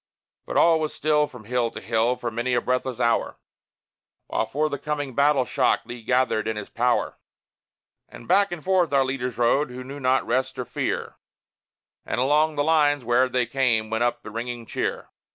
But all was still from hill to hill for many a breathless hour, While for the coming battle shock Lee gathered in his power; And back and forth our leaders rode, who knew not rest or fear, And along the lines, where'er they came, went up the ringing cheer.